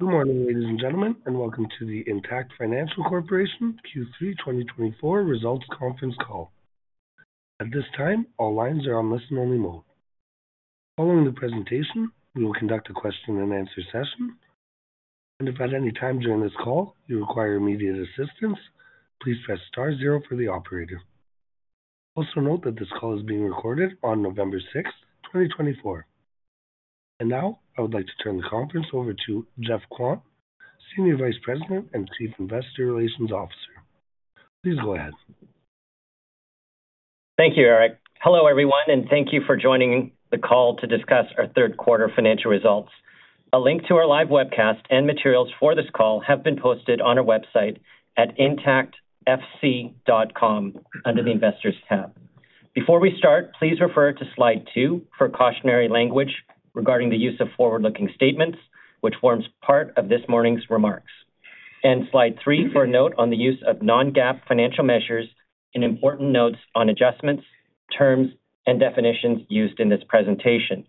Good morning, ladies and gentlemen, and welcome to the Intact Financial Corporation Q3 2024 results conference call. At this time, all lines are on listen-only mode. Following the presentation, we will conduct a question-and-answer session, and if at any time during this call you require immediate assistance, please press star zero for the operator. Also note that this call is being recorded on November 6th, 2024. And now, I would like to turn the conference over to Geoff Kwan, Senior Vice President and Chief Investor Relations Officer. Please go ahead. Thank you, Eric. Hello everyone, and thank you for joining the call to discuss our third quarter financial results. A link to our live webcast and materials for this call have been posted on our website at intactfc.com under the Investors tab. Before we start, please refer to slide two for cautionary language regarding the use of forward-looking statements, which forms part of this morning's remarks, and slide three for a note on the use of non-GAAP financial measures and important notes on adjustments, terms, and definitions used in this presentation.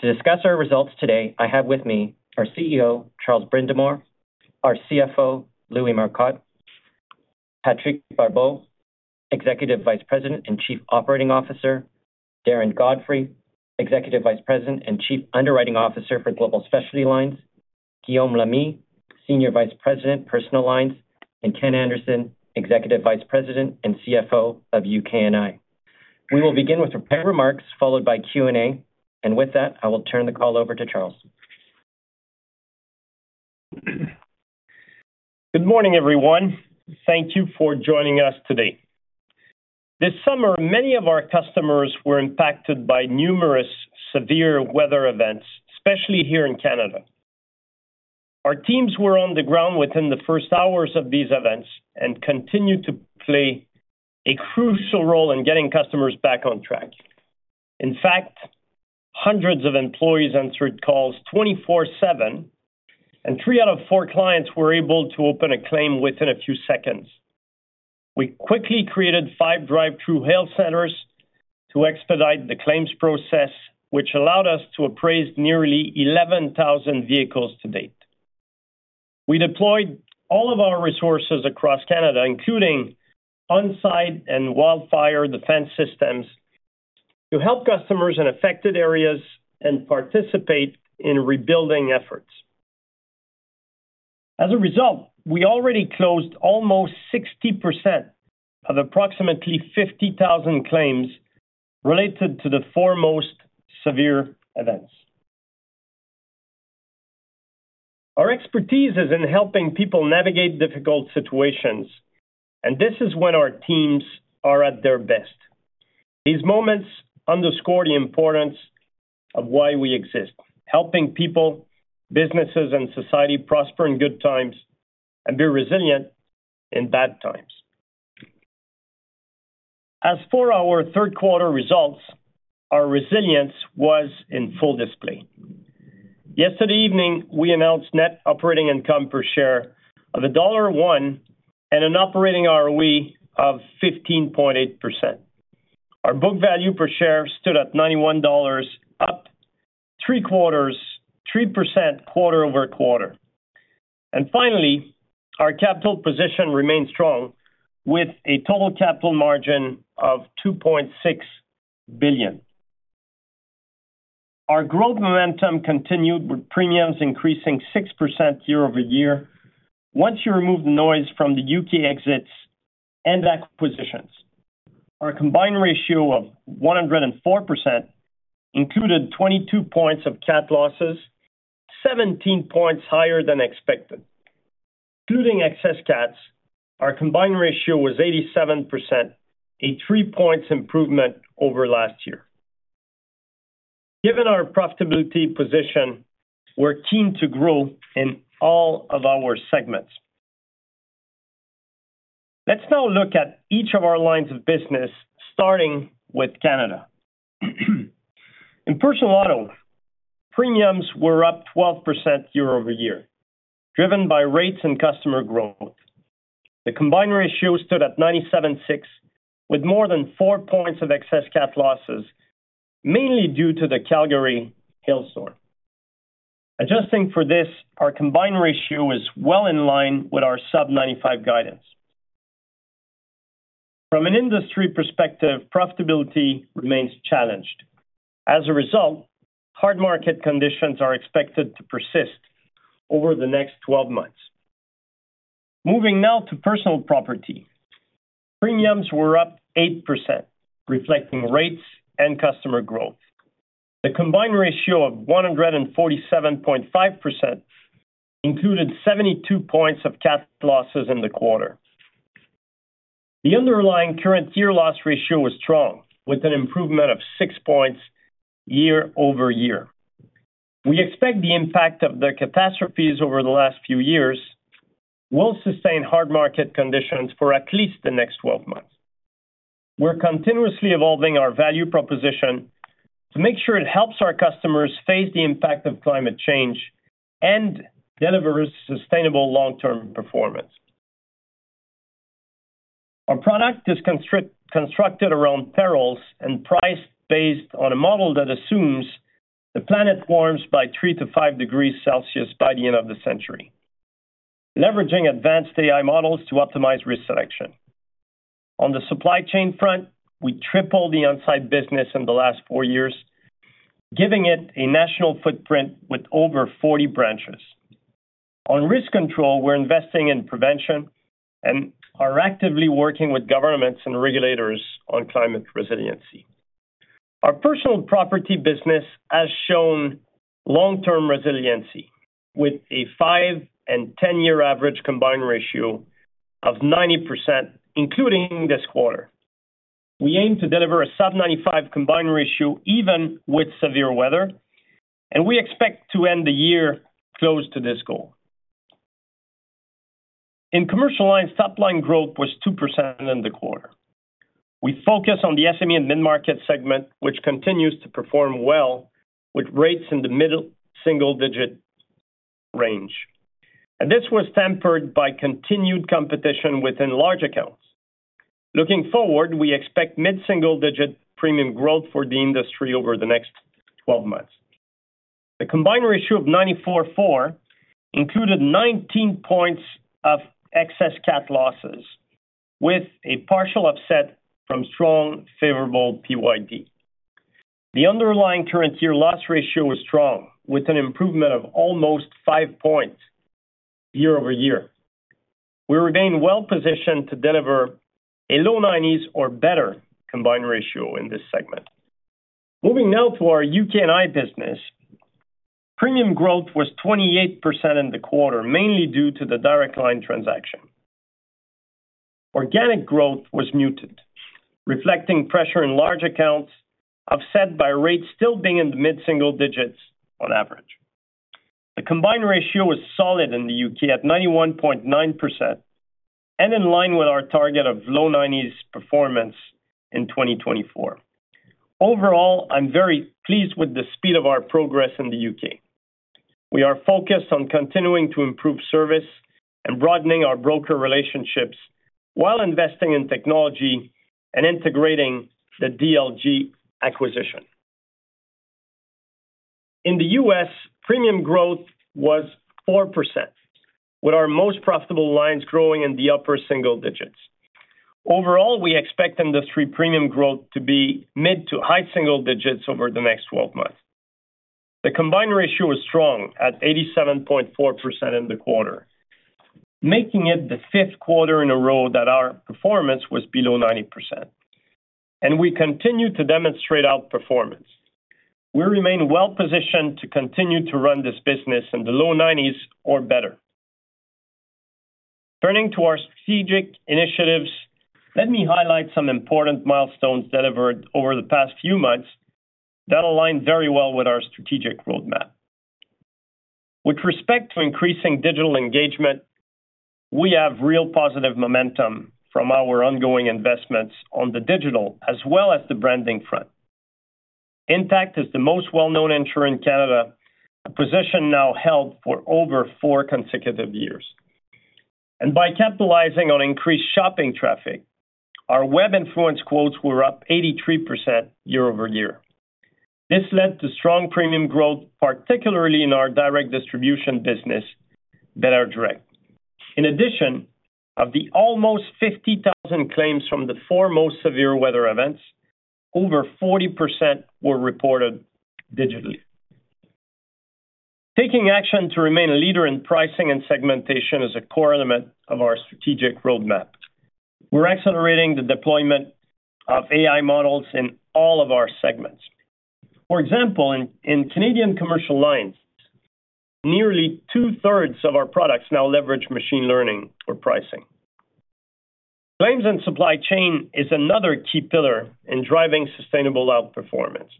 To discuss our results today, I have with me our CEO, Charles Brindamour, our CFO, Louis Marcotte, Patrick Barbeau, Executive Vice President and Chief Operating Officer, Darren Godfrey, Executive Vice President and Chief Underwriting Officer for Global Specialty Lines, Guillaume Lamy, Senior Vice President, Personal Lines, and Ken Anderson, Executive Vice President and CFO of UK&I. We will begin with remarks followed by Q&A, and with that, I will turn the call over to Charles. Good morning, everyone. Thank you for joining us today. This summer, many of our customers were impacted by numerous severe weather events, especially here in Canada. Our teams were on the ground within the first hours of these events and continued to play a crucial role in getting customers back on track. In fact, hundreds of employees answered calls 24/7, and three out of four clients were able to open a claim within a few seconds. We quickly created five drive-through hail centres to expedite the claims process, which allowed us to appraise nearly 11,000 vehicles to date. We deployed all of our resources across Canada, including On Side and Wildfire Defense Systems, to help customers in affected areas and participate in rebuilding efforts. As a result, we already closed almost 60% of approximately 50,000 claims related to the four most severe events. Our expertise is in helping people navigate difficult situations, and this is when our teams are at their best. These moments underscore the importance of why we exist: helping people, businesses, and society prosper in good times and be resilient in bad times. As for our third quarter results, our resilience was in full display. Yesterday evening, we announced net operating income per share of dollar 1.01 and an operating ROE of 15.8%. Our book value per share stood at 91 dollars, up three quarters, 3% quarter over quarter. And finally, our capital position remained strong with a total capital margin of 2.6 billion. Our growth momentum continued with premiums increasing 6% year over year once you remove the noise from the UK exits and acquisitions. Our combined ratio of 104% included 22 points of Cat losses, 17 points higher than expected. Excluding excess Cats, our combined ratio was 87%, a 3-point improvement over last year. Given our profitability position, we're keen to grow in all of our segments. Let's now look at each of our lines of business, starting with Canada. In personal auto, premiums were up 12% year over year, driven by rates and customer growth. The combined ratio stood at 97.6, with more than 4 points of excess Cat losses, mainly due to the Calgary hailstorm. Adjusting for this, our combined ratio is well in line with our sub-95 guidance. From an industry perspective, profitability remains challenged. As a result, hard market conditions are expected to persist over the next 12 months. Moving now to personal property, premiums were up 8%, reflecting rates and customer growth. The combined ratio of 147.5% included 72 points of Cat losses in the quarter. The underlying current year-loss ratio was strong, with an improvement of 6 points year over year. We expect the impact of the catastrophes over the last few years will sustain hard market conditions for at least the next 12 months. We're continuously evolving our value proposition to make sure it helps our customers face the impact of climate change and delivers sustainable long-term performance. Our product is constructed around perils and priced based on a model that assumes the planet warms by 3-5 degrees Celsius by the end of the century, leveraging advanced AI models to optimize risk selection. On the supply chain front, we tripled the On Side business in the last four years, giving it a national footprint with over 40 branches. On risk control, we're investing in prevention and are actively working with governments and regulators on climate resiliency. Our personal property business has shown long-term resiliency with a five and 10-year average combined ratio of 90%, including this quarter. We aim to deliver a sub-95 combined ratio even with severe weather, and we expect to end the year close to this goal. In commercial lines, top-line growth was 2% in the quarter. We focus on the SME and mid-market segment, which continues to perform well with rates in the middle single-digit range, and this was tempered by continued competition within large accounts. Looking forward, we expect mid-single-digit premium growth for the industry over the next 12 months. The combined ratio of 94.4 included 19 points of excess Cat losses, with a partial offset from strong favorable PYD. The underlying current year-loss ratio was strong, with an improvement of almost 5 points year over year. We remain well-positioned to deliver a low 90s or better combined ratio in this segment. Moving now to our UK&I business, premium growth was 28% in the quarter, mainly due to the Direct Line transaction. Organic growth was muted, reflecting pressure in large accounts offset by rates still being in the mid-single digits on average. The combined ratio was solid in the U.K. at 91.9% and in line with our target of low 90s performance in 2024. Overall, I'm very pleased with the speed of our progress in the U.K. We are focused on continuing to improve service and broadening our broker relationships while investing in technology and integrating the DLG acquisition. In the U.S., premium growth was 4%, with our most profitable lines growing in the upper single digits. Overall, we expect industry premium growth to be mid to high single digits over the next 12 months. The combined ratio was strong at 87.4% in the quarter, making it the fifth quarter in a row that our performance was below 90%. And we continue to demonstrate outperformance. We remain well-positioned to continue to run this business in the low 90s or better. Turning to our strategic initiatives, let me highlight some important milestones delivered over the past few months that align very well with our strategic roadmap. With respect to increasing digital engagement, we have real positive momentum from our ongoing investments on the digital as well as the branding front. Intact is the most well-known insurer in Canada, a position now held for over four consecutive years. And by capitalizing on increased shopping traffic, our web influence quotes were up 83% year over year. This led to strong premium growth, particularly in our direct distribution business, belairdirect. In addition, of the almost 50,000 claims from the foremost severe weather events, over 40% were reported digitally. Taking action to remain a leader in pricing and segmentation is a core element of our strategic roadmap. We're accelerating the deployment of AI models in all of our segments. For example, in Canadian commercial lines, nearly two-thirds of our products now leverage machine learning for pricing. Claims and supply chain is another key pillar in driving sustainable outperformance.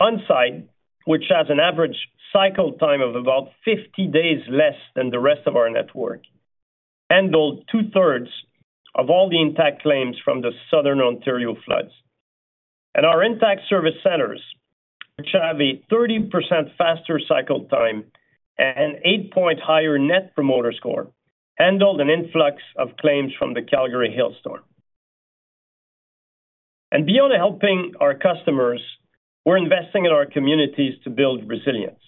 On Side, which has an average cycle time of about 50 days less than the rest of our network, handled two-thirds of all the Intact claims from the Southern Ontario floods. And our Intact Service Centres, which have a 30% faster cycle time and an 8-point higher Net Promoter Score, handled an influx of claims from the Calgary hailstorm. And beyond helping our customers, we're investing in our communities to build resilience.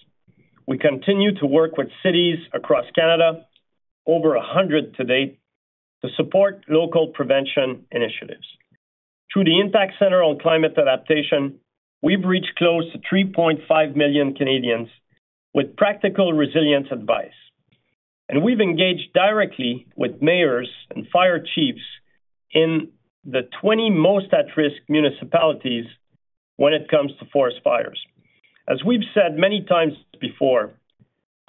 We continue to work with cities across Canada, over 100 to date, to support local prevention initiatives. Through the Intact Centre on Climate Adaptation, we've reached close to 3.5 million Canadians with practical resilience advice, and we've engaged directly with mayors and fire chiefs in the 20 most at-risk municipalities when it comes to forest fires. As we've said many times before,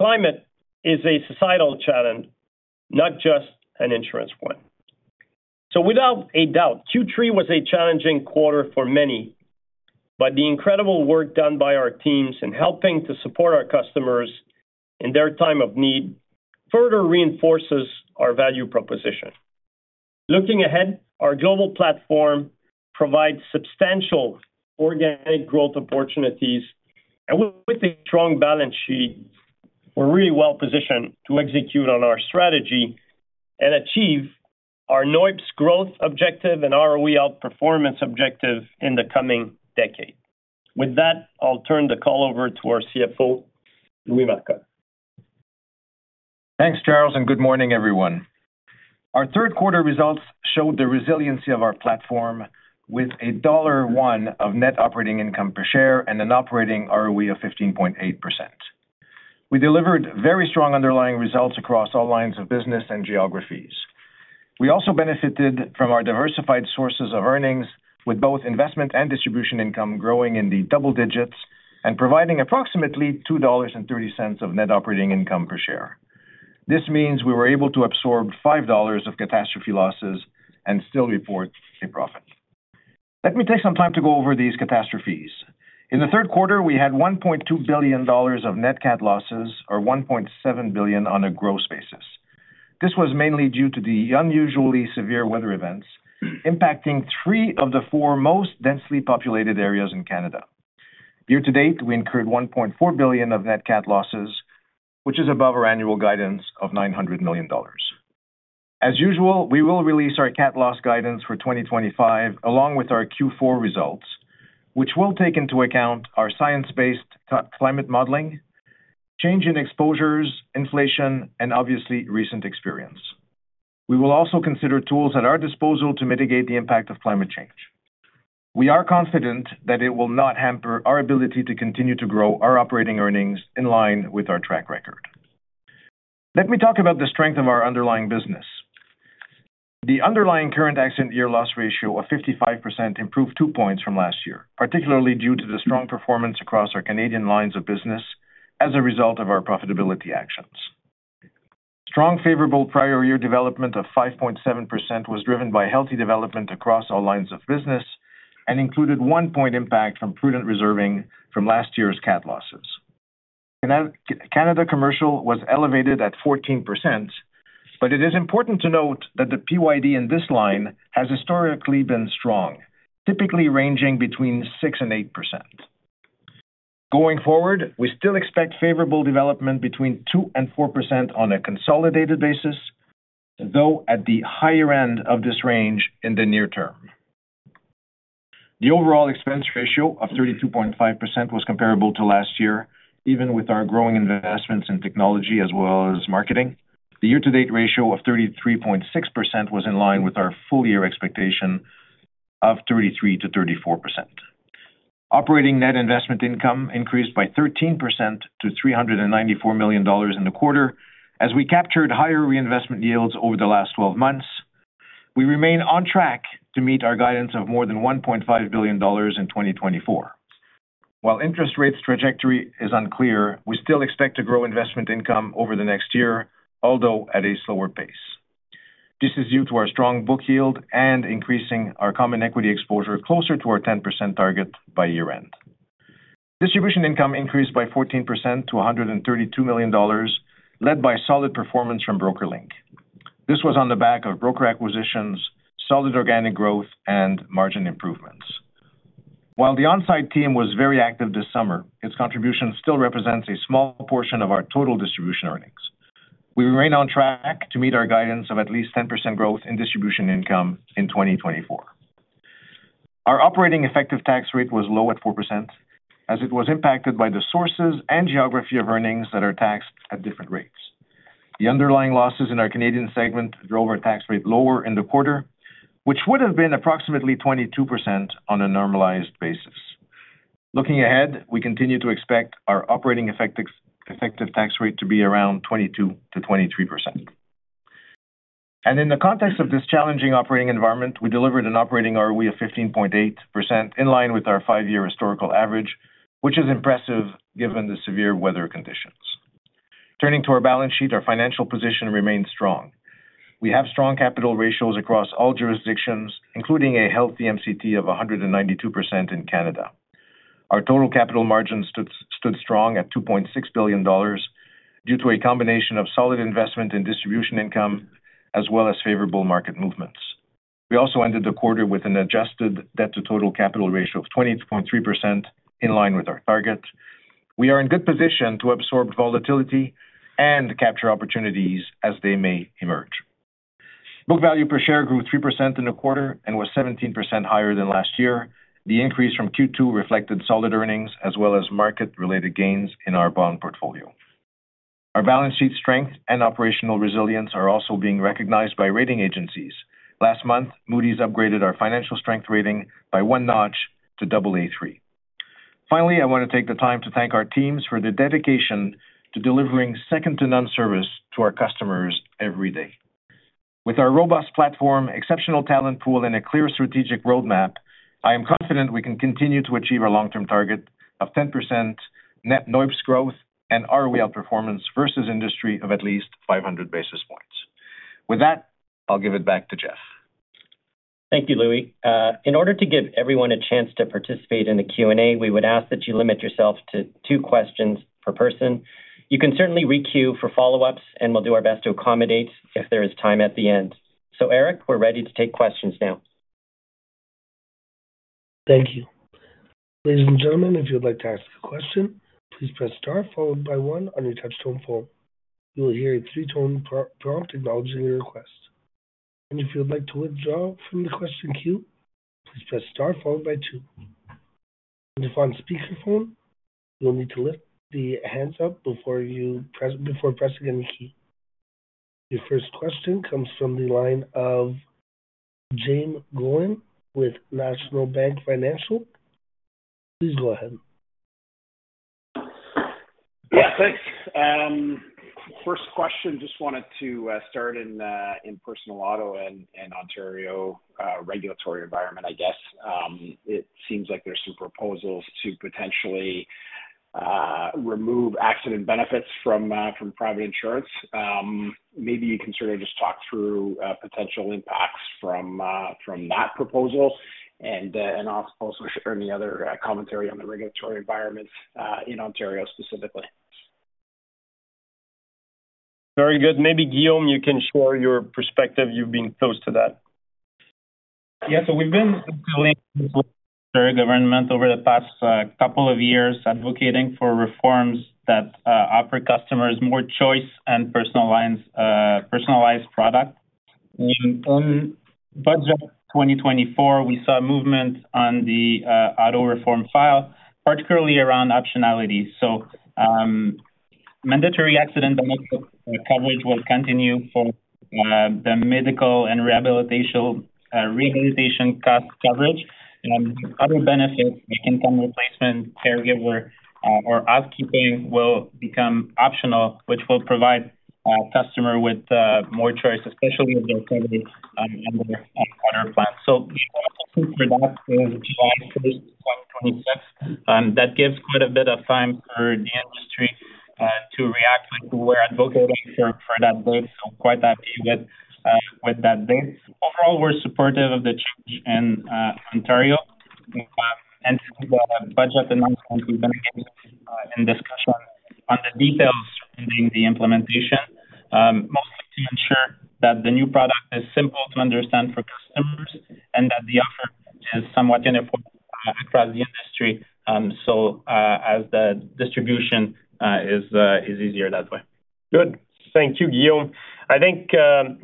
climate is a societal challenge, not just an insurance one, so without a doubt, Q3 was a challenging quarter for many, but the incredible work done by our teams in helping to support our customers in their time of need further reinforces our value proposition. Looking ahead, our global platform provides substantial organic growth opportunities, and with a strong balance sheet, we're really well-positioned to execute on our strategy and achieve our NOIPS growth objective and ROE outperformance objective in the coming decade. With that, I'll turn the call over to our CFO, Louis Marcotte. Thanks, Charles, and good morning, everyone. Our third quarter results showed the resiliency of our platform with a dollar 1.01 of net operating income per share and an operating ROE of 15.8%. We delivered very strong underlying results across all lines of business and geographies. We also benefited from our diversified sources of earnings, with both investment and distribution income growing in the double digits and providing approximately 2.30 dollars of net operating income per share. This means we were able to absorb 5 dollars of catastrophe losses and still report a profit. Let me take some time to go over these catastrophes. In the third quarter, we had 1.2 billion dollars of net Cat losses or 1.7 billion on a gross basis. This was mainly due to the unusually severe weather events impacting three of the four most densely populated areas in Canada. Year to date, we incurred 1.4 billion of net Cat losses, which is above our annual guidance of 900 million dollars. As usual, we will release our Cat loss guidance for 2025 along with our Q4 results, which will take into account our science-based climate modeling, change in exposures, inflation, and obviously recent experience. We will also consider tools at our disposal to mitigate the impact of climate change. We are confident that it will not hamper our ability to continue to grow our operating earnings in line with our track record. Let me talk about the strength of our underlying business. The underlying current accident year-loss ratio of 55% improved two points from last year, particularly due to the strong performance across our Canadian lines of business as a result of our profitability actions. Strong favorable prior year development of 5.7% was driven by healthy development across all lines of business and included one-point impact from prudent reserving from last year's Cat losses. Canada commercial was elevated at 14%, but it is important to note that the PYD in this line has historically been strong, typically ranging between 6 and 8%. Going forward, we still expect favorable development between 2 and 4% on a consolidated basis, though at the higher end of this range in the near term. The overall expense ratio of 32.5% was comparable to last year, even with our growing investments in technology as well as marketing. The year-to-date ratio of 33.6% was in line with our full-year expectation of 33 to 34%. Operating net investment income increased by 13% to 394 million dollars in the quarter as we captured higher reinvestment yields over the last 12 months. We remain on track to meet our guidance of more than 1.5 billion dollars in 2024. While interest rates' trajectory is unclear, we still expect to grow investment income over the next year, although at a slower pace. This is due to our strong book yield and increasing our common equity exposure closer to our 10% target by year-end. Distribution income increased by 14% to 132 million dollars, led by solid performance from BrokerLink. This was on the back of broker acquisitions, solid organic growth, and margin improvements. While the On Side team was very active this summer, its contribution still represents a small portion of our total distribution earnings. We remain on track to meet our guidance of at least 10% growth in distribution income in 2024. Our operating effective tax rate was low at 4%, as it was impacted by the sources and geography of earnings that are taxed at different rates. The underlying losses in our Canadian segment drove our tax rate lower in the quarter, which would have been approximately 22% on a normalized basis. Looking ahead, we continue to expect our operating effective tax rate to be around 22-23%., and in the context of this challenging operating environment, we delivered an operating ROE of 15.8% in line with our five-year historical average, which is impressive given the severe weather conditions. Turning to our balance sheet, our financial position remains strong. We have strong capital ratios across all jurisdictions, including a healthy MCT of 192% in Canada. Our total capital margin stood strong at 2.6 billion dollars due to a combination of solid investment and distribution income, as well as favorable market movements. We also ended the quarter with an adjusted debt-to-total capital ratio of 20.3% in line with our target. We are in good position to absorb volatility and capture opportunities as they may emerge. Book value per share grew 3% in the quarter and was 17% higher than last year. The increase from Q2 reflected solid earnings as well as market-related gains in our bond portfolio. Our balance sheet strength and operational resilience are also being recognized by rating agencies. Last month, Moody's upgraded our financial strength rating by one notch to Aa3. Finally, I want to take the time to thank our teams for their dedication to delivering second-to-none service to our customers every day. With our robust platform, exceptional talent pool, and a clear strategic roadmap, I am confident we can continue to achieve our long-term target of 10% net NOIPS growth and ROE outperformance versus industry of at least 500 basis points. With that, I'll give it back to Geoff. Thank you, Louis. In order to give everyone a chance to participate in the Q&A, we would ask that you limit yourself to two questions per person. You can certainly re-queue for follow-ups, and we'll do our best to accommodate if there is time at the end. So, Eric, we're ready to take questions now. Thank you. Ladies and gentlemen, if you'd like to ask a question, please press star followed by one on your touch-tone phone. You will hear a three-tone prompt acknowledging your request. And if you'd like to withdraw from the question queue, please press star followed by two. And if on speakerphone, you'll need to lift the handset up before pressing any key. Your first question comes from the line of Jaeme Gloyn with National Bank Financial. Please go ahead. Yeah, thanks. First question, just wanted to start in personal auto and Ontario regulatory environment, I guess. It seems like there's some proposals to potentially remove accident benefits from private insurance. Maybe you can sort of just talk through potential impacts from that proposal and also any other commentary on the regulatory environment in Ontario specifically? Very good. Maybe Guillaume, you can share your perspective. You've been close to that. Yeah, so we've been in Ontario government over the past couple of years advocating for reforms that offer customers more choice and personalized product. In Budget 2024, we saw movement on the auto reform file, particularly around optionality. So mandatory accident benefit coverage will continue for the medical and rehabilitation cost coverage. Other benefits like income replacement, caregiver, or housekeeping will become optional, which will provide customers with more choice, especially if they're covered under other plans. So the first of that is July 1st, 2026. That gives quite a bit of time for the industry to react. We're advocating for that date, so quite happy with that date. Overall, we're supportive of the change in Ontario. The budget announcement, we've been in discussion on the details surrounding the implementation, mostly to ensure that the new product is simple to understand for customers and that the offer is somewhat uniform across the industry so as the distribution is easier that way. Good. Thank you, Guillaume. I think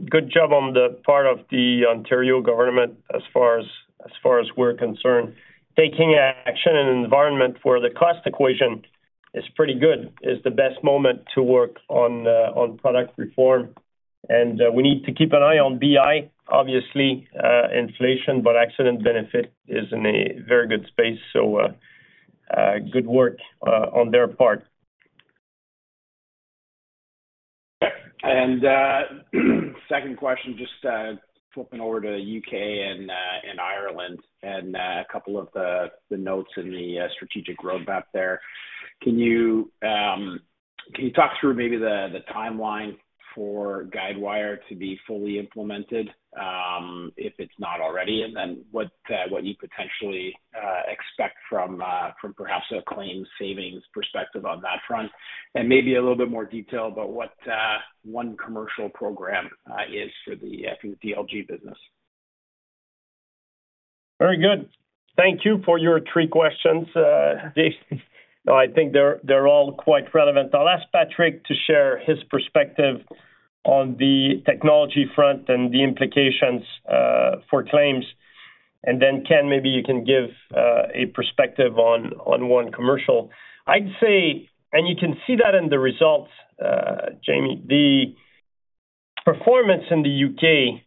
good job on the part of the Ontario government as far as we're concerned. Taking action in an environment where the cost equation is pretty good is the best moment to work on product reform, and we need to keep an eye on BI, obviously, inflation, but accident benefit is in a very good space, so good work on their part. And second question, just flipping over to the UK and Ireland and a couple of the notes in the strategic roadmap there. Can you talk through maybe the timeline for Guidewire to be fully implemented if it's not already? And then what you potentially expect from perhaps a claim savings perspective on that front? And maybe a little bit more detail about what One Commercial program is for the DLG business. Very good. Thank you for your three questions. I think they're all quite relevant. I'll ask Patrick to share his perspective on the technology front and the implications for claims. And then Ken, maybe you can give a perspective on One Commercial. I'd say, and you can see that in the results, Jaeme, the performance in the UK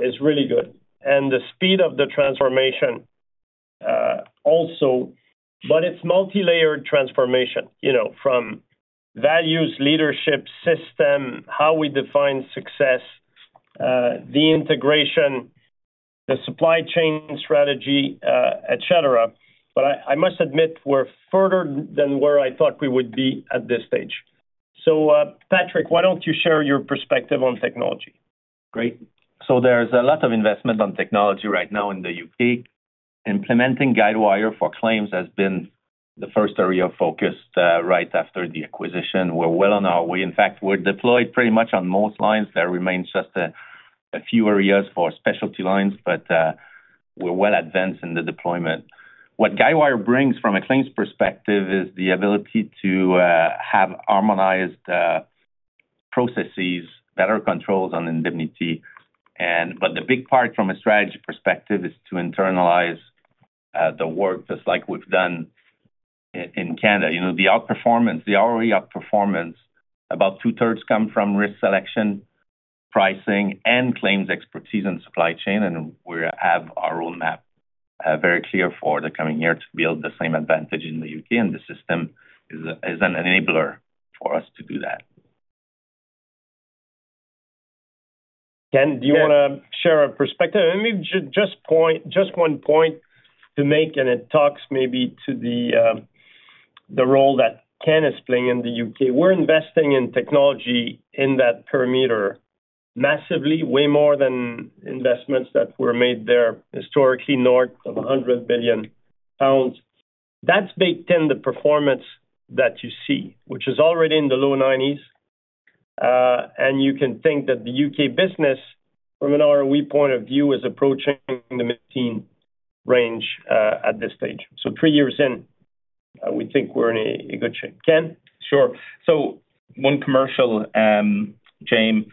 is really good. And the speed of the transformation also, but it's multi-layered transformation from values, leadership, system, how we define success, the integration, the supply chain strategy, etc. But I must admit we're further than where I thought we would be at this stage. So Patrick, why don't you share your perspective on technology? Great. So there's a lot of investment on technology right now in the U.K. Implementing Guidewire for claims has been the first area of focus right after the acquisition. We're well on our way. In fact, we're deployed pretty much on most lines. There remains just a few areas for specialty lines, but we're well advanced in the deployment. What Guidewire brings from a claims perspective is the ability to have harmonized processes, better controls on indemnity. But the big part from a strategy perspective is to internalize the work just like we've done in Canada. The ROE outperformance, about two-thirds come from risk selection, pricing, and claims expertise and supply chain. And we have our roadmap very clear for the coming year to build the same advantage in the U.K., and the system is an enabler for us to do that. Ken, do you want to share a perspective? And just one point to make, and it talks maybe to the role that Ken is playing in the UK. We're investing in technology in that perimeter massively, way more than investments that were made there historically north of 100 billion pounds. That's baked in the performance that you see, which is already in the low 90s. And you can think that the UK business, from an ROE point of view, is approaching the mid-teen range at this stage. So three years in, we think we're in a good shape. Ken? Sure. So, One Commercial, Jaeme.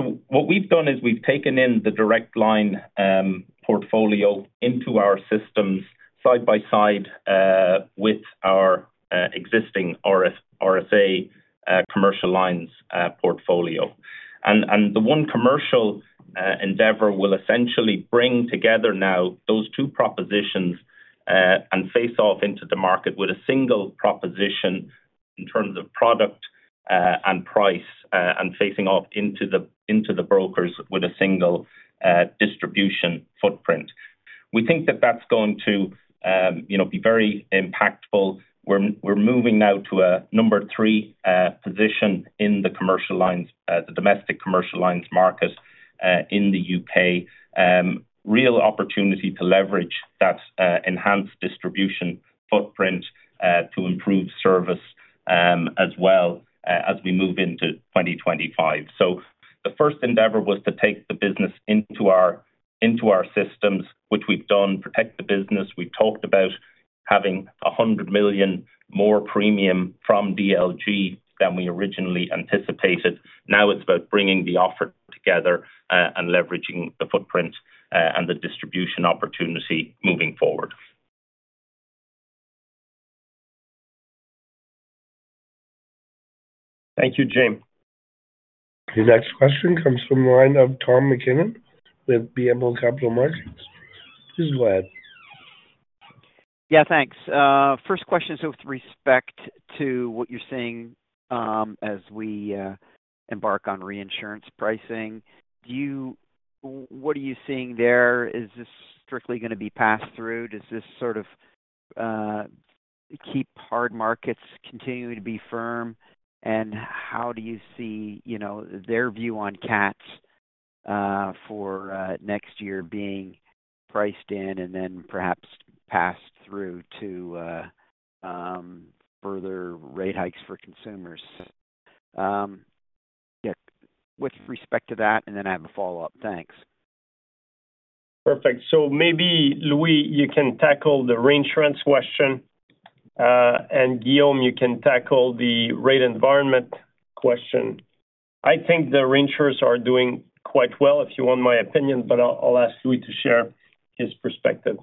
So what we've done is we've taken in the Direct Line portfolio into our systems side by side with our existing RSA commercial lines portfolio. And the One Commercial endeavor will essentially bring together now those two propositions and face off into the market with a single proposition in terms of product and price and facing off into the brokers with a single distribution footprint. We think that that's going to be very impactful. We're moving now to a number three position in the commercial lines, the domestic commercial lines market in the U.K. Real opportunity to leverage that enhanced distribution footprint to improve service as well as we move into 2025. So the first endeavor was to take the business into our systems, which we've done, protect the business. We've talked about having 100 million more premium from DLG than we originally anticipated. Now it's about bringing the offer together and leveraging the footprint and the distribution opportunity moving forward. Thank you, Jaeme. The next question comes from the line of Tom MacKinnon with BMO Capital Markets. Please go ahead. Yeah, thanks. First question is with respect to what you're seeing as we embark on reinsurance pricing. What are you seeing there? Is this strictly going to be passed through? Does this sort of keep hard markets continuing to be firm? And how do you see their view on cats for next year being priced in and then perhaps passed through to further rate hikes for consumers? With respect to that, and then I have a follow-up. Thanks. Perfect. So maybe Louis, you can tackle the reinsurance question, and Guillaume, you can tackle the rate environment question. I think the reinsurers are doing quite well, if you want my opinion, but I'll ask Louis to share his perspective.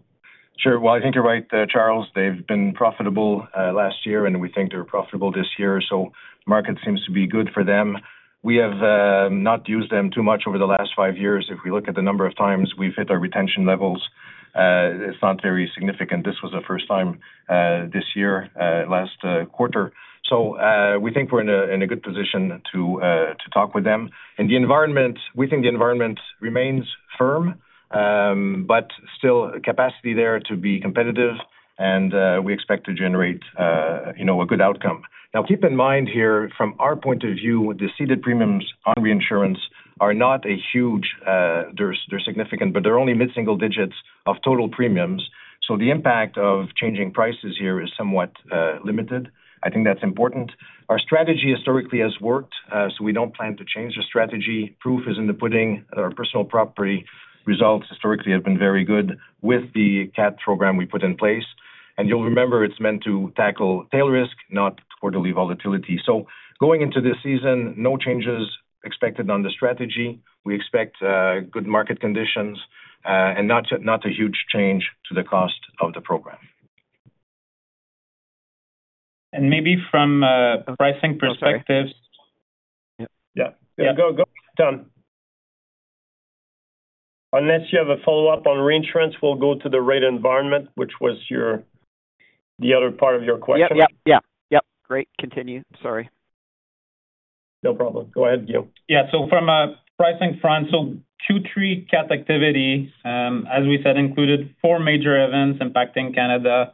Sure. Well, I think you're right, Charles. They've been profitable last year, and we think they're profitable this year. So the market seems to be good for them. We have not used them too much over the last five years. If we look at the number of times we've hit our retention levels, it's not very significant. This was the first time this year, last quarter. So we think we're in a good position to talk with them. And we think the environment remains firm, but still capacity there to be competitive, and we expect to generate a good outcome. Now, keep in mind here, from our point of view, the ceded premiums on reinsurance are not a huge, they're significant, but they're only mid-single digits of total premiums. So the impact of changing prices here is somewhat limited. I think that's important. Our strategy historically has worked, so we don't plan to change the strategy. Proof is in the pudding. Our personal property results historically have been very good with the CAT program we put in place. And you'll remember it's meant to tackle tail risk, not quarterly volatility. So going into this season, no changes expected on the strategy. We expect good market conditions and not a huge change to the cost of the program. Maybe from pricing perspectives. Yeah. Yeah, go ahead, Tom. Unless you have a follow-up on reinsurance, we'll go to the rate environment, which was the other part of your question. Yeah, yeah, yeah. Yep. Great. Continue. Sorry. No problem. Go ahead, Guillaume. Yeah. So from a pricing front, so Q3 CAT activity, as we said, included four major events impacting Canada,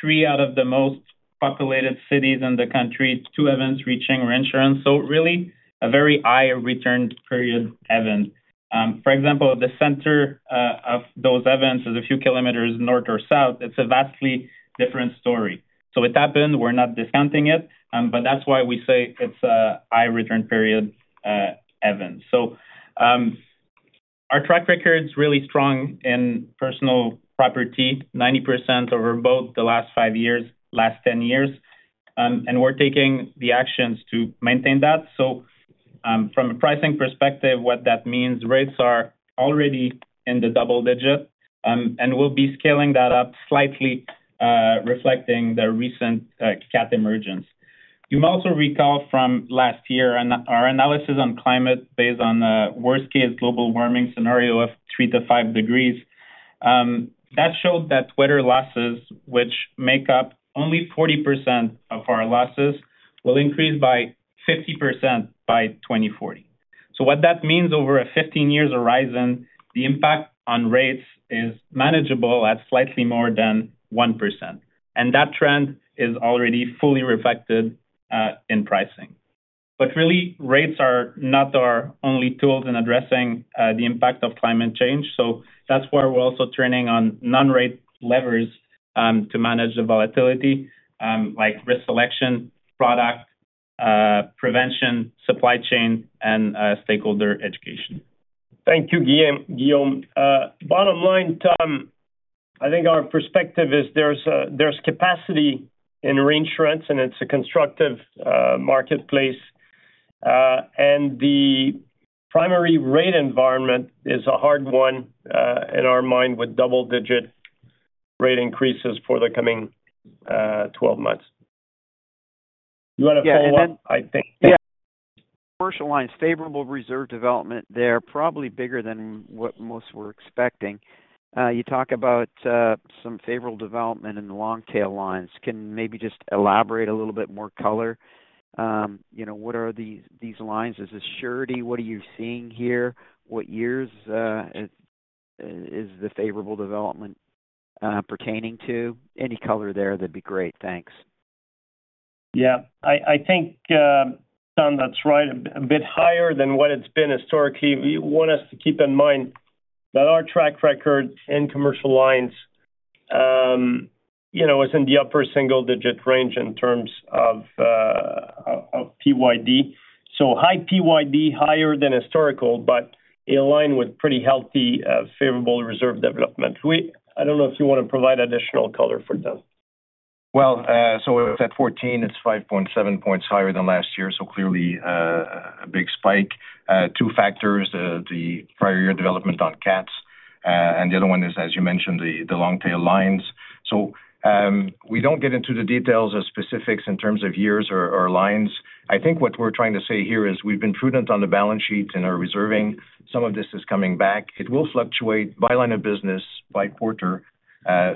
three out of the most populated cities in the country, two events reaching reinsurance. So really a very high return period event. For example, the center of those events is a few kilometers north or south. It's a vastly different story. So it happened. We're not discounting it, but that's why we say it's a high return period event. So our track record's really strong in personal property, 90% over both the last five years, last 10 years. And we're taking the actions to maintain that. So from a pricing perspective, what that means, rates are already in the double digit, and we'll be scaling that up slightly, reflecting the recent CAT emergence. You might also recall from last year, our analysis on climate based on a worst-case global warming scenario of three to five degrees. That showed that weather losses, which make up only 40% of our losses, will increase by 50% by 2040. So what that means over a 15-year horizon, the impact on rates is manageable at slightly more than 1%. And that trend is already fully reflected in pricing. But really, rates are not our only tools in addressing the impact of climate change. So that's why we're also turning on non-rate levers to manage the volatility, like risk selection, product prevention, supply chain, and stakeholder education. Thank you, Guillaume. Bottom line, Tom, I think our perspective is there's capacity in reinsurance, and it's a constructive marketplace, and the primary rate environment is a hard one in our mind with double-digit rate increases for the coming 12 months. You want to follow up, I think? Yeah. Commercial lines, favorable reserve development there, probably bigger than what most were expecting. You talk about some favorable development in the long-tail lines. Can maybe just elaborate a little bit more color? What are these lines? Is this surety? What are you seeing here? What years is the favorable development pertaining to? Any color there, that'd be great. Thanks. Yeah. I think, Tom, that's right, a bit higher than what it's been historically. We want us to keep in mind that our track record in commercial lines is in the upper single-digit range in terms of PYD. So high PYD, higher than historical, but in line with pretty healthy favorable reserve development. I don't know if you want to provide additional color for them. Well, so at 14, it's 5.7 points higher than last year. So clearly, a big spike. Two factors, the prior year development on CATs. And the other one is, as you mentioned, the long-tail lines. So we don't get into the details or specifics in terms of years or lines. I think what we're trying to say here is we've been prudent on the balance sheet in our reserving. Some of this is coming back. It will fluctuate by line of business, by quarter.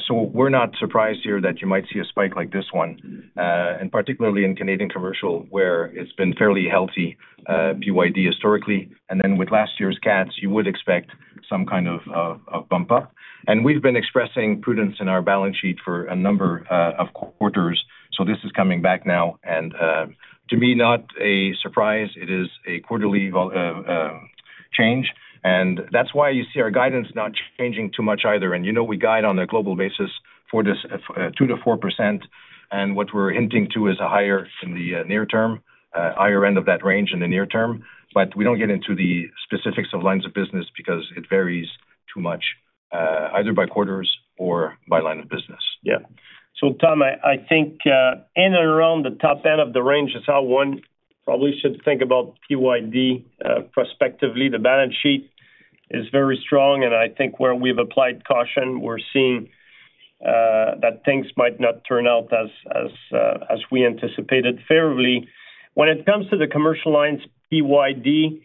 So we're not surprised here that you might see a spike like this one, and particularly in Canadian commercial, where it's been fairly healthy PYD historically. And then with last year's CATs, you would expect some kind of bump up. And we've been expressing prudence in our balance sheet for a number of quarters. So this is coming back now. And to me, not a surprise. It is a quarterly change. And that's why you see our guidance not changing too much either. And we guide on a global basis for this 2%-4%. And what we're hinting to is a higher in the near term, higher end of that range in the near term. But we don't get into the specifics of lines of business because it varies too much, either by quarters or by line of business. Yeah. So Tom, I think in and around the top end of the range is how one probably should think about PYD prospectively. The balance sheet is very strong. And I think where we've applied caution, we're seeing that things might not turn out as we anticipated favorably. When it comes to the commercial lines PYD,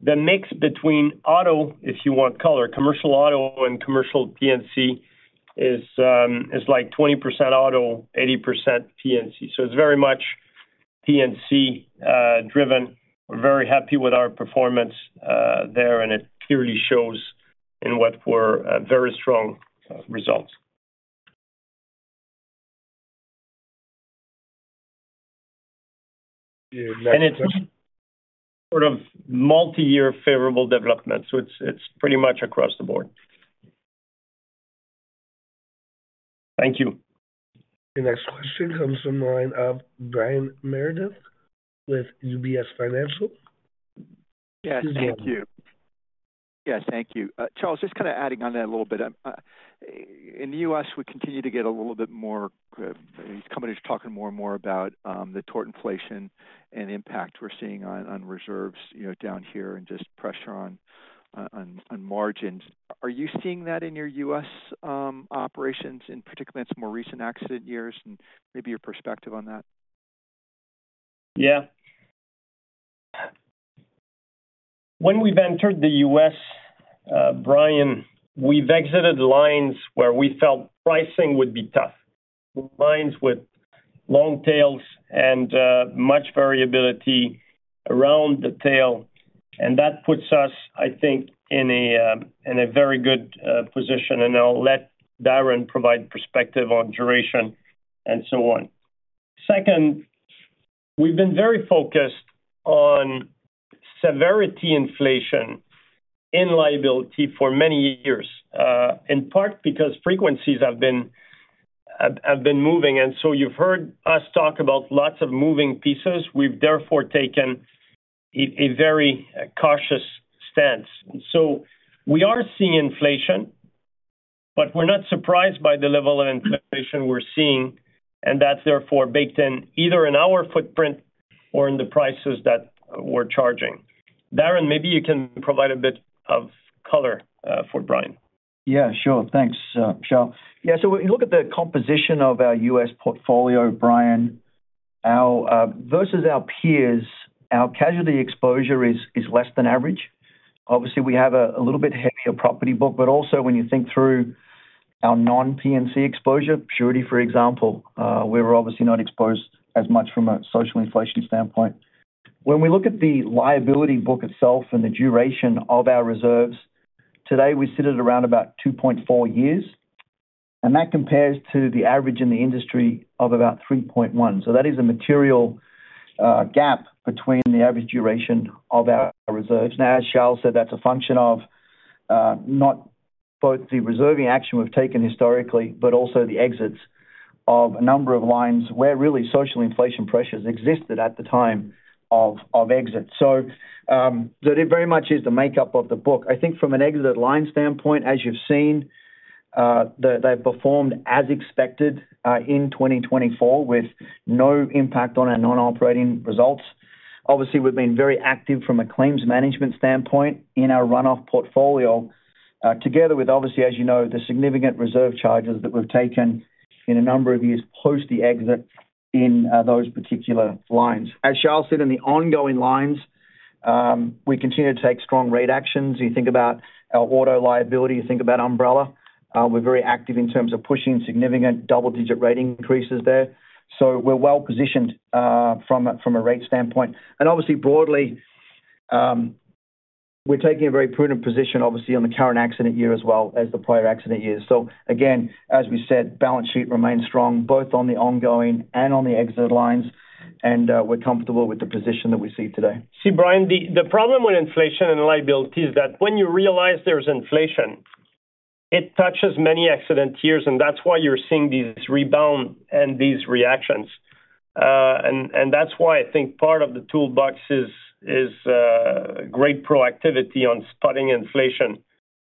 the mix between auto, if you want color, commercial auto and commercial P&C is like 20% auto, 80% P&C. So it's very much P&C-driven. We're very happy with our performance there, and it clearly shows in what were very strong results. And it's sort of multi-year favorable development. So it's pretty much across the board. Thank you. The next question comes from the line of Brian Meredith with UBS Financial. Yes. Thank you. Yeah, thank you. Charles, just kind of adding on that a little bit. In the U.S., we continue to get a little bit more these companies are talking more and more about the tort inflation and impact we're seeing on reserves down here and just pressure on margins. Are you seeing that in your U.S. operations, in particular in its more recent accident years? And maybe your perspective on that? Yeah. When we've entered the U.S., Brian, we've exited lines where we felt pricing would be tough, lines with long tails and much variability around the tail. And that puts us, I think, in a very good position. And I'll let Darren provide perspective on duration and so on. Second, we've been very focused on severity inflation in liability for many years, in part because frequencies have been moving. And so you've heard us talk about lots of moving pieces. We've therefore taken a very cautious stance. So we are seeing inflation, but we're not surprised by the level of inflation we're seeing. And that's therefore baked in either in our footprint or in the prices that we're charging. Darren, maybe you can provide a bit of color for Brian. Yeah, sure. Thanks, Charles. Yeah. So when you look at the composition of our US portfolio, Brian, versus our peers, our casualty exposure is less than average. Obviously, we have a little bit heavier property book. But also, when you think through our non-P&C exposure, surety, for example, we were obviously not exposed as much from a social inflation standpoint. When we look at the liability book itself and the duration of our reserves, today we sit at around about 2.4 years. And that compares to the average in the industry of about 3.1. So that is a material gap between the average duration of our reserves. Now, as Charles said, that's a function of not both the reserving action we've taken historically, but also the exits of a number of lines where really social inflation pressures existed at the time of exit. So it very much is the makeup of the book. I think from an exited line standpoint, as you've seen, they've performed as expected in 2024 with no impact on our non-operating results. Obviously, we've been very active from a claims management standpoint in our runoff portfolio, together with, obviously, as you know, the significant reserve charges that we've taken in a number of years post the exit in those particular lines. As Charles said, in the ongoing lines, we continue to take strong rate actions. You think about our auto liability, you think about umbrella. We're very active in terms of pushing significant double-digit rate increases there. So we're well positioned from a rate standpoint, and obviously, broadly, we're taking a very prudent position, obviously, on the current accident year as well as the prior accident years. So again, as we said, balance sheet remains strong both on the ongoing and on the exit lines. And we're comfortable with the position that we see today. See, Brian, the problem with inflation and liability is that when you realize there's inflation, it touches many accident years. And that's why you're seeing these rebounds and these reactions. And that's why I think part of the toolbox is great proactivity on spotting inflation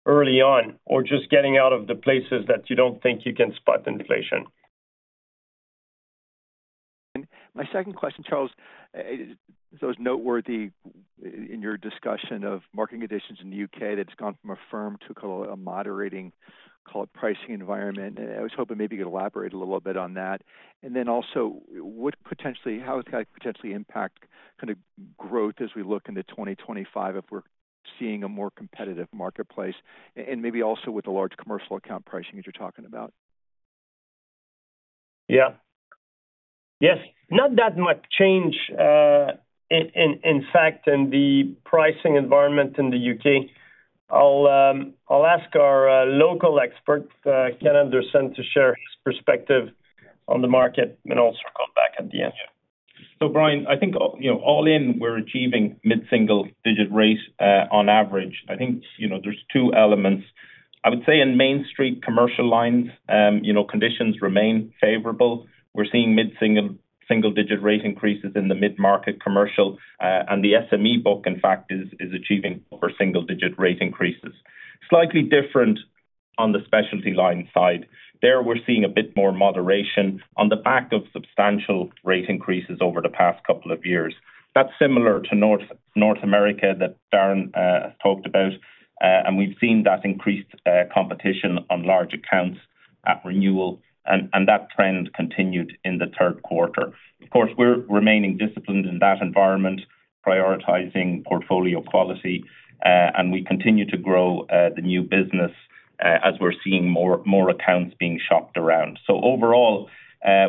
early on or just getting out of the places that you don't think you can spot inflation. My second question, Charles, those noteworthy in your discussion of market conditions in the U.K. that's gone from a firm to a moderating call it pricing environment. I was hoping maybe you could elaborate a little bit on that. Then also, how it's going to potentially impact kind of growth as we look into 2025 if we're seeing a more competitive marketplace and maybe also with the large commercial account pricing that you're talking about. Yeah. Yes. Not that much change, in fact, in the pricing environment in the U.K. I'll ask our local expert, Kenneth Anderson, to share his perspective on the market and also come back at the end. Yeah. So Brian, I think all in, we're achieving mid-single-digit rates on average. I think there's two elements. I would say in Main Street commercial lines, conditions remain favorable. We're seeing mid-single-digit rate increases in the mid-market commercial. And the SME book, in fact, is achieving upper single-digit rate increases. Slightly different on the specialty line side. There, we're seeing a bit more moderation on the back of substantial rate increases over the past couple of years. That's similar to North America that Darren talked about. And we've seen that increased competition on large accounts at renewal. And that trend continued in the third quarter. Of course, we're remaining disciplined in that environment, prioritizing portfolio quality. And we continue to grow the new business as we're seeing more accounts being shopped around. So overall,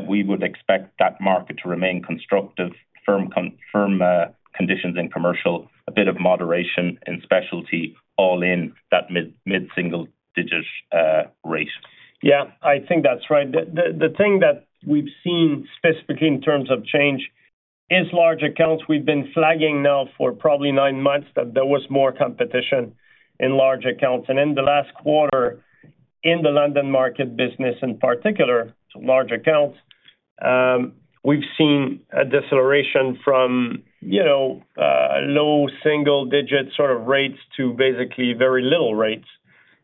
we would expect that market to remain constructive, firm conditions in commercial, a bit of moderation in specialty, all in that mid-single-digit rate. Yeah. I think that's right. The thing that we've seen specifically in terms of change is large accounts. We've been flagging now for probably nine months that there was more competition in large accounts. And in the last quarter, in the London Market business in particular, large accounts, we've seen a deceleration from low single-digit sort of rates to basically very little rates.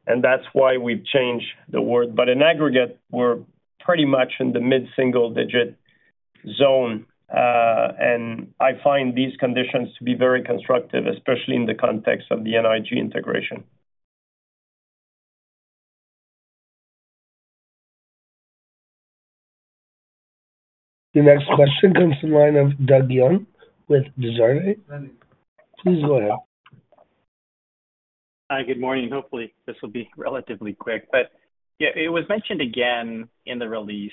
And that's why we've changed the word. But in aggregate, we're pretty much in the mid-single-digit zone. And I find these conditions to be very constructive, especially in the context of the NIG integration. The next question comes from the line of Doug Young with Desjardins. Please go ahead. Hi, good morning. Hopefully, this will be relatively quick. But yeah, it was mentioned again in the release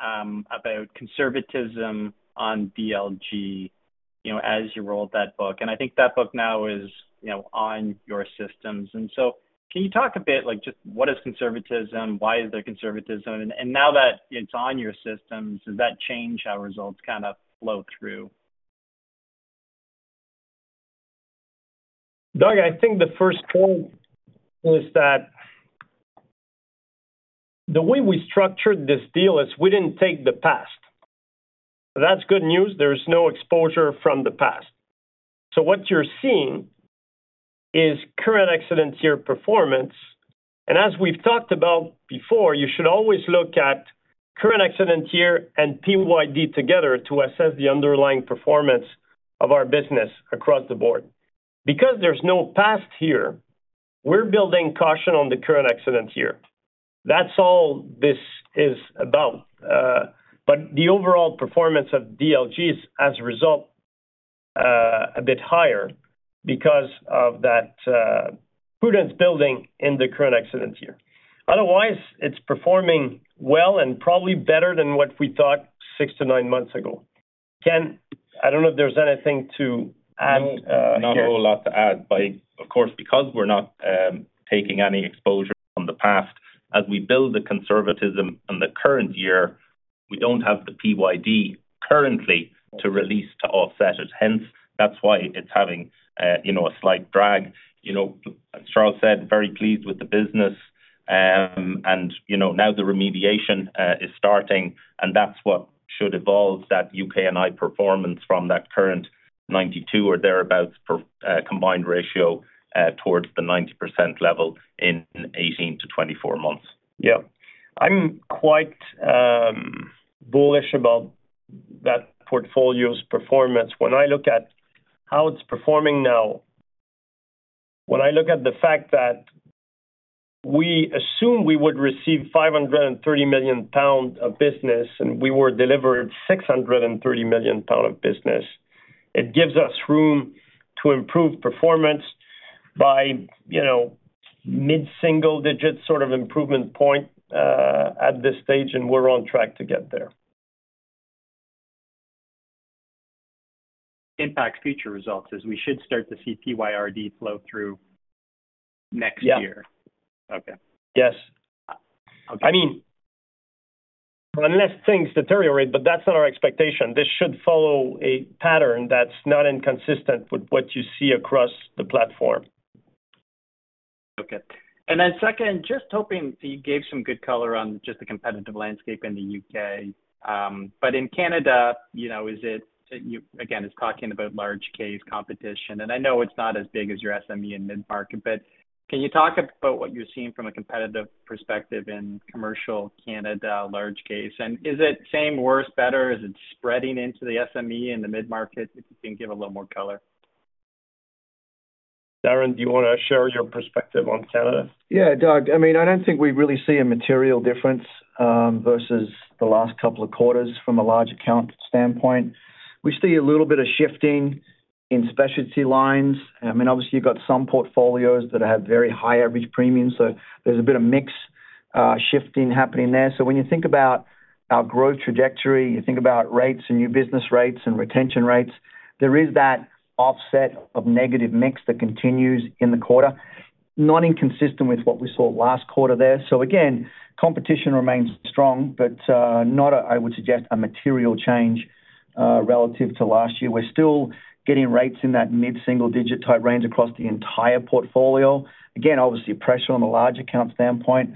about conservatism on DLG as you rolled that book. And I think that book now is on your systems. And so can you talk a bit just what is conservatism? Why is there conservatism? And now that it's on your systems, does that change how results kind of flow through? Doug, I think the first point is that the way we structured this deal is we didn't take the past. That's good news. There's no exposure from the past. So what you're seeing is current accident year performance. And as we've talked about before, you should always look at current accident year and PYD together to assess the underlying performance of our business across the board. Because there's no past here, we're building caution on the current accident year. That's all this is about. But the overall performance of DLG is, as a result, a bit higher because of that prudence building in the current accident year. Otherwise, it's performing well and probably better than what we thought six to nine months ago. Ken, I don't know if there's anything to add. No, not a whole lot to add, but of course, because we're not taking any exposure from the past, as we build the conservatism in the current year, we don't have the PYD currently to release to offset it. Hence, that's why it's having a slight drag. As Charles said, very pleased with the business, and now the remediation is starting, and that's what should evolve that UK and Ireland performance from that current 92 or thereabouts combined ratio towards the 90% level in 18 to 24 months. Yeah. I'm quite bullish about that portfolio's performance. When I look at how it's performing now, when I look at the fact that we assume we would receive 530 million pounds of business and we were delivered 630 million pounds of business, it gives us room to improve performance by mid-single-digit sort of improvement point at this stage. And we're on track to get there. Impact future results is we should start to see PYD flow through next year. Yeah. Yes. I mean, unless things deteriorate, but that's not our expectation. This should follow a pattern that's not inconsistent with what you see across the platform. Okay. And then second, just hoping you gave some good color on just the competitive landscape in the UK. But in Canada, again, it's talking about large case competition. And I know it's not as big as your SME and mid-market. But can you talk about what you're seeing from a competitive perspective in commercial Canada, large case? And is it same, worse, better? Is it spreading into the SME and the mid-market? If you can give a little more color. Darren, do you want to share your perspective on Canada? Yeah, Doug. I mean, I don't think we really see a material difference versus the last couple of quarters from a large account standpoint. We see a little bit of shifting in specialty lines. I mean, obviously, you've got some portfolios that have very high average premiums. So there's a bit of mix shifting happening there. So when you think about our growth trajectory, you think about rates and new business rates and retention rates, there is that offset of negative mix that continues in the quarter, not inconsistent with what we saw last quarter there. So again, competition remains strong, but not, I would suggest, a material change relative to last year. We're still getting rates in that mid-single-digit type range across the entire portfolio. Again, obviously, pressure on the large account standpoint.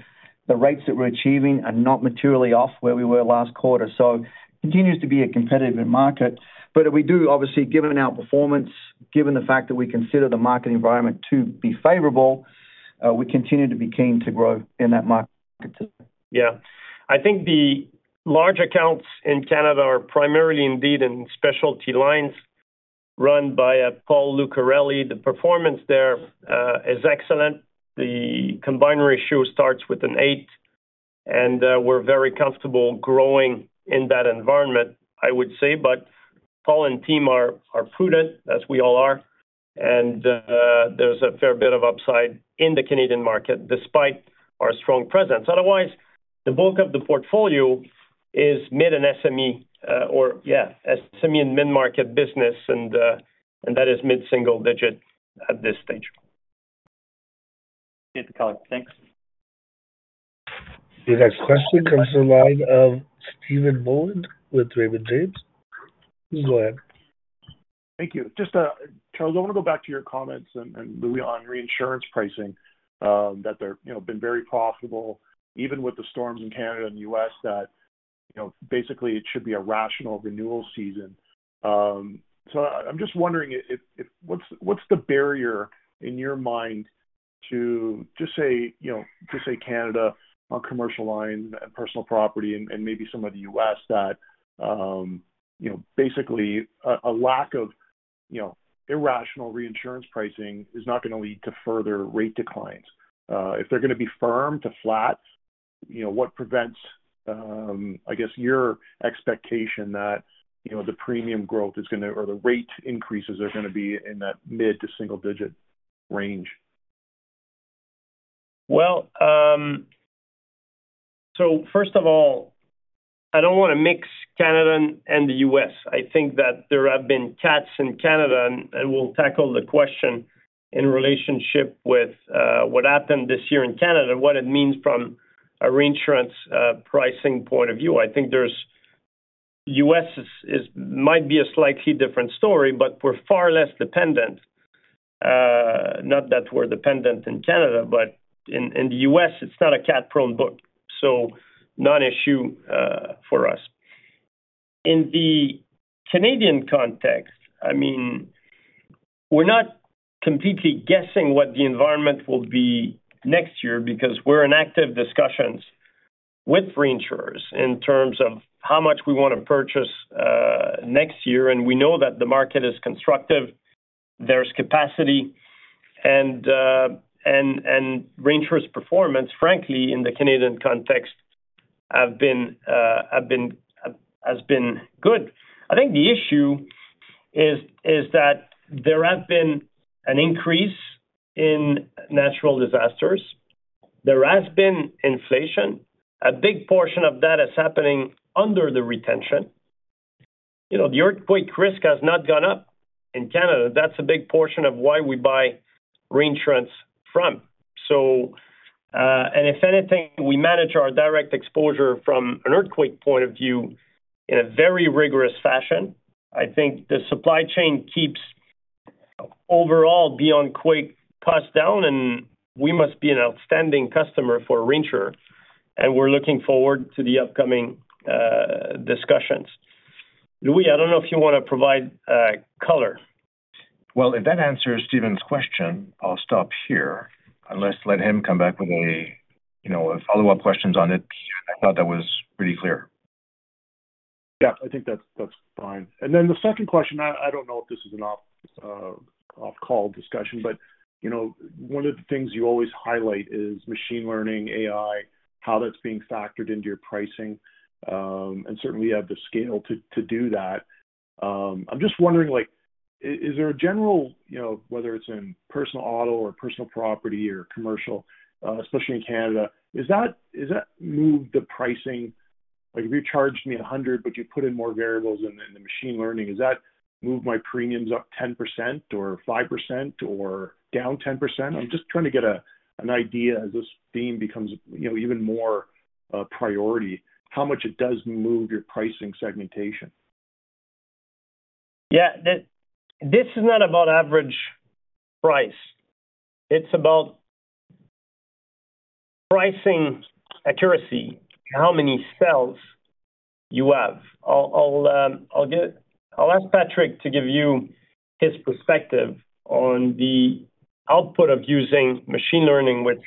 The rates that we're achieving are not materially off where we were last quarter. So it continues to be a competitive market. But we do, obviously, given our performance, given the fact that we consider the market environment to be favorable, we continue to be keen to grow in that market. Yeah. I think the large accounts in Canada are primarily indeed in specialty lines run by Paul Lucarelli. The performance there is excellent. The combined ratio starts with an eight. And we're very comfortable growing in that environment, I would say. But Paul and team are prudent, as we all are. And there's a fair bit of upside in the Canadian market despite our strong presence. Otherwise, the bulk of the portfolio is mid and SME or, yeah, SME and mid-market business. And that is mid-single-digit at this stage. Thanks. The next question comes from line of Stephen Boland with Raymond James. Please go ahead. Thank you. Just, Charles, I want to go back to your comments and moving on reinsurance pricing, that there have been very profitable, even with the storms in Canada and the US, that basically it should be a rational renewal season. So I'm just wondering, what's the barrier in your mind to just say Canada on commercial line and personal property and maybe some of the US that basically a lack of irrational reinsurance pricing is not going to lead to further rate declines? If they're going to be firm to flat, what prevents, I guess, your expectation that the premium growth is going to or the rate increases are going to be in that mid- to single-digit range? So first of all, I don't want to mix Canada and the U.S. I think that there have been cuts in Canada. And we'll tackle the question in relationship with what happened this year in Canada and what it means from a reinsurance pricing point of view. I think U.S. might be a slightly different story, but we're far less dependent. Not that we're dependent in Canada, but in the U.S., it's not a cat-prone book. So non-issue for us. In the Canadian context, I mean, we're not completely guessing what the environment will be next year because we're in active discussions with reinsurers in terms of how much we want to purchase next year. And we know that the market is constructive. There's capacity. And reinsurance performance, frankly, in the Canadian context has been good. I think the issue is that there has been an increase in natural disasters. There has been inflation. A big portion of that is happening under the retention. The earthquake risk has not gone up in Canada. That's a big portion of why we buy reinsurance from. And if anything, we manage our direct exposure from an earthquake point of view in a very rigorous fashion. I think the supply chain keeps overall beyond quake cost down. And we must be an outstanding customer for a reinsurer. And we're looking forward to the upcoming discussions. Louis, I don't know if you want to provide color. If that answers Stephen's question, I'll stop here unless let him come back with a follow-up question on it. I thought that was pretty clear. Yeah. I think that's fine. And then the second question, I don't know if this is an off-call discussion, but one of the things you always highlight is machine learning, AI, how that's being factored into your pricing. And certainly, you have the scale to do that. I'm just wondering, is there a general, whether it's in personal auto or personal property or commercial, especially in Canada, has that moved the pricing? If you charged me 100, but you put in more variables in the machine learning, has that moved my premiums up 10% or 5% or down 10%? I'm just trying to get an idea as this theme becomes even more priority, how much it does move your pricing segmentation. Yeah. This is not about average price. It's about pricing accuracy, how many cells you have. I'll ask Patrick to give you his perspective on the output of using machine learning, which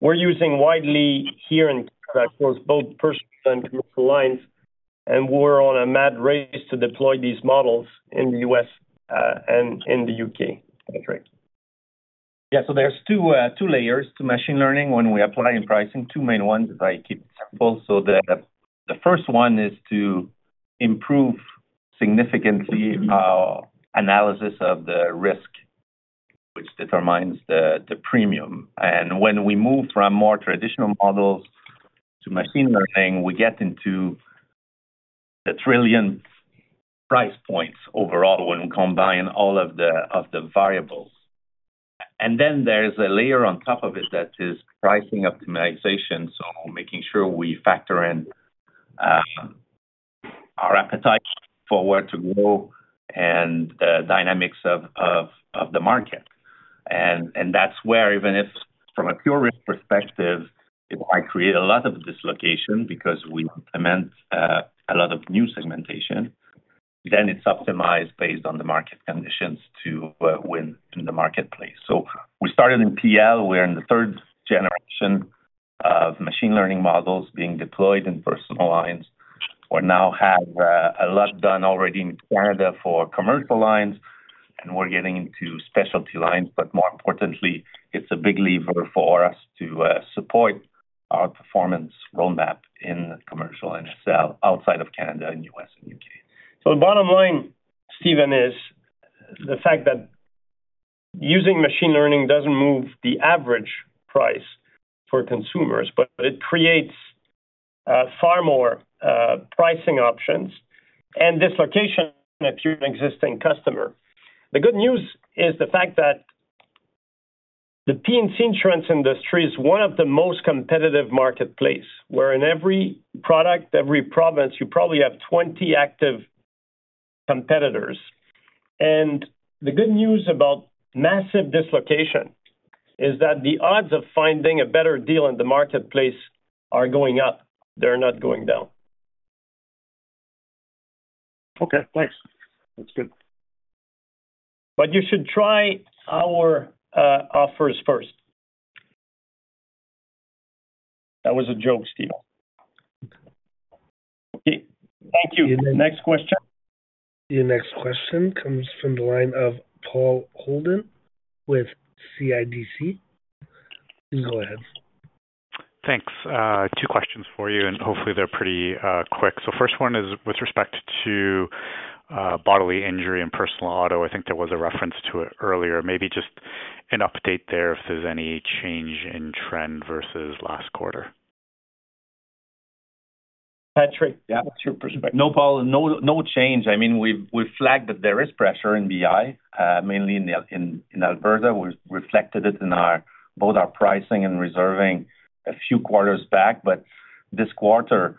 we're using widely here in Canada, both personal and commercial lines, and we're on a mad race to deploy these models in the U.S. and in the U.K. Yeah. So there's two layers to machine learning when we apply in pricing, two main ones, if I keep it simple. So the first one is to improve significantly our analysis of the risk, which determines the premium. And when we move from more traditional models to machine learning, we get into the trillion price points overall when we combine all of the variables. And then there's a layer on top of it that is pricing optimization. So making sure we factor in our appetite for where to grow and the dynamics of the market. And that's where, even if from a pure risk perspective, it might create a lot of dislocation because we implement a lot of new segmentation, then it's optimized based on the market conditions to win in the marketplace. So we started in PL. We're in the third generation of machine learning models being deployed in personal lines. We now have a lot done already in Canada for commercial lines. And we're getting into specialty lines. But more importantly, it's a big lever for us to support our performance roadmap in commercial and scale outside of Canada and U.S. and U.K. So the bottom line, Stephen, is the fact that using machine learning doesn't move the average price for consumers, but it creates far more pricing options and dislocation if you're an existing customer. The good news is the fact that the P&C insurance industry is one of the most competitive marketplaces, where in every product, every province, you probably have 20 active competitors. And the good news about massive dislocation is that the odds of finding a better deal in the marketplace are going up. They're not going down. Okay. Thanks. That's good. But you should try our offers first. That was a joke, Stephen. Thank you. Next question. The next question comes from the line of Paul Holden with CIBC. Please go ahead. Thanks. Two questions for you. And hopefully, they're pretty quick. So first one is with respect to bodily injury and personal auto. I think there was a reference to it earlier. Maybe just an update there if there's any change in trend versus last quarter. Patrick, your perspective. No change. I mean, we've flagged that there is pressure in BI, mainly in Alberta. We've reflected it in both our pricing and reserving a few quarters back. But this quarter,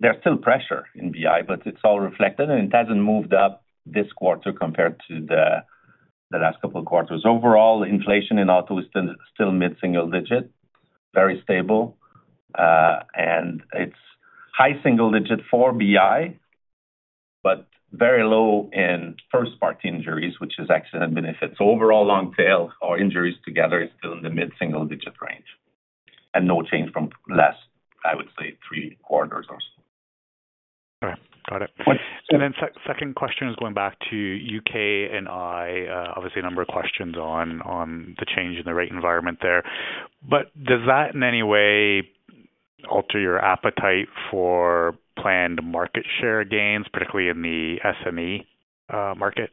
there's still pressure in BI, but it's all reflected. And it hasn't moved up this quarter compared to the last couple of quarters. Overall, inflation in auto is still mid-single digit, very stable. And it's high single digit for BI, but very low in first-party injuries, which is accident benefits. Overall, long tail or injuries together is still in the mid-single digit range and no change from last, I would say, three quarters or so. Okay. Got it. And then second question is going back to UK&I, obviously, a number of questions on the change in the rate environment there. But does that in any way alter your appetite for planned market share gains, particularly in the SME market?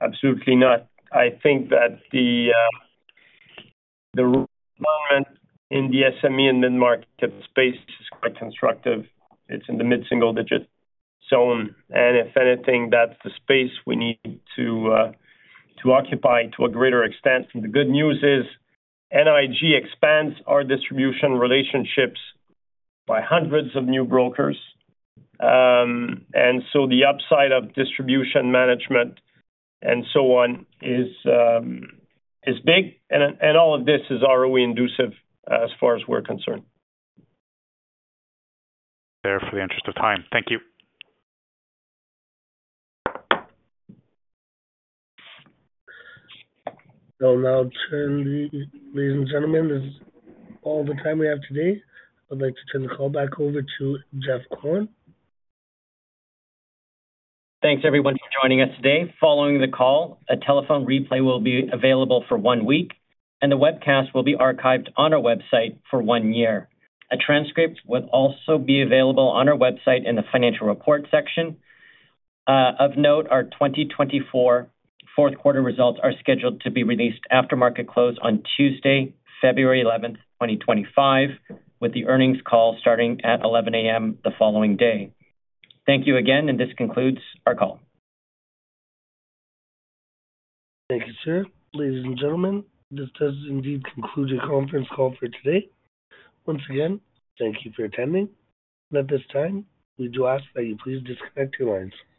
Absolutely not. I think that the requirement in the SME and mid-market space is quite constructive. It's in the mid-single digit zone. And if anything, that's the space we need to occupy to a greater extent. And the good news is NIG expands our distribution relationships by hundreds of new brokers. And so the upside of distribution management and so on is big. And all of this is ROE-accretive as far as we're concerned. Therefore, for the interest of time. Thank you. Now, ladies and gentlemen, this is all the time we have today. I'd like to turn the call back over to Geoff Kwan. Thanks, everyone, for joining us today. Following the call, a telephone replay will be available for one week. The webcast will be archived on our website for one year. A transcript will also be available on our website in the financial report section. Of note, our 2024 fourth-quarter results are scheduled to be released after market close on Tuesday, February 11th, 2025, with the earnings call starting at 11:00 A.M. the following day. Thank you again. This concludes our call. Thank you, sir. Ladies and gentlemen, this does indeed conclude your conference call for today. Once again, thank you for attending. At this time, we do ask that you please disconnect your lines.